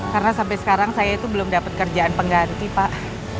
karena sampai sekarang saya itu belum dapat kerjaan pengganti pak